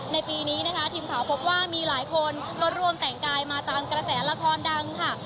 ในปีนี้นะคะทีมข่าวพบว่ามีหลายคนก็ร่วมแต่งกายมาตามกระแสละครดังค่ะ